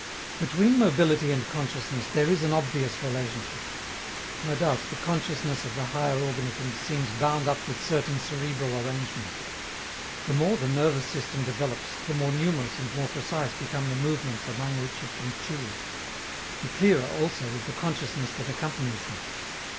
Between mobility and consciousness there is an obvious relationship. No doubt, the consciousness of the higher organisms seems bound up with certain cerebral arrangements. The more the nervous system develops, the more numerous and more precise become the movements among which it can choose; the clearer, also, is the consciousness that accompanies them.